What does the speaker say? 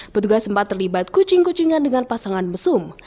petugas sempat terlibat kucing kucingan dengan pasangan mesum